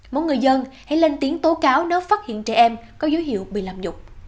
mỗi người dân hãy lên tiếng tố cáo nếu phát hiện trẻ em có dấu hiệu bị làm nhục